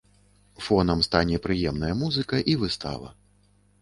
Фонам стане прыемная музыка і выстава.